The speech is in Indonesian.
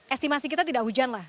estimasi kita tidak hujan lah